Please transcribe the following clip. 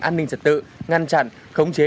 an ninh trật tự ngăn chặn khống chế